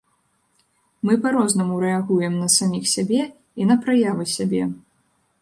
Мы па-рознаму рэагуем на саміх сябе і на праявы сябе.